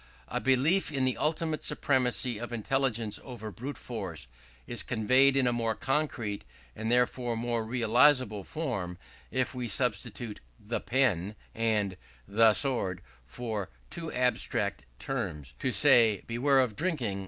A belief in the ultimate supremacy of intelligence over brute force, is conveyed in a more concrete, and therefore more realizable form, if we substitute the pen and the sword for the two abstract terms. To say, "Beware of drinking!"